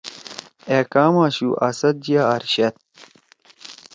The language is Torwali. أ کام آشُو؟ اسد یا اارشد؟